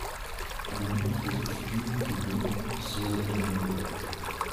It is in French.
À des monstres obscurs qui vont, seuls ou nombreux